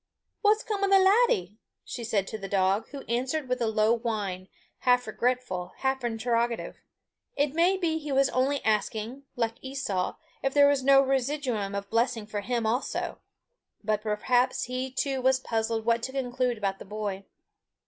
"What's come o' the laddie?" she said to the dog, who answered with a low whine, half regretful, half interrogative. It may be he was only asking, like Esau, if there was no residuum of blessing for him also; but perhaps he too was puzzled what to conclude about the boy.